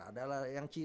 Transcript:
ada yang dari indonesia